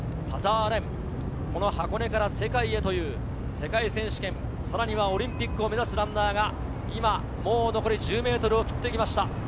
田澤廉、箱根から世界へという世界選手権、さらにはオリンピックを目指すランナーが今もう残り１０ｍを切ってきました。